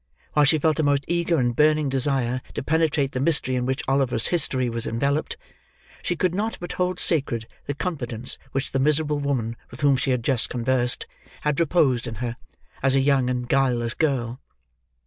While she felt the most eager and burning desire to penetrate the mystery in which Oliver's history was enveloped, she could not but hold sacred the confidence which the miserable woman with whom she had just conversed, had reposed in her, as a young and guileless girl.